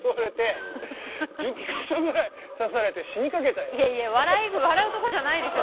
この前さいやいや笑うとこじゃないでしょ